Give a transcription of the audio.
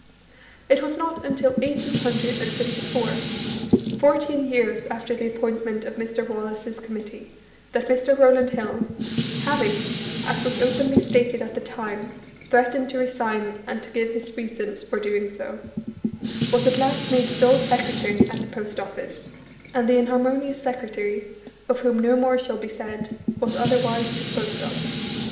It was not until eighteen hundred and fifty four, fourteen years after the appointment of Mr. Wallace's Committee, that Mr. Eowland HiU (having, as was openly stated at the time, threatened to resign and to give his reasons for doing so), was at last made sole Secretary at the Post Office, and the inharmonious secretary (of whom no more shall be said) was otherwise disposed of.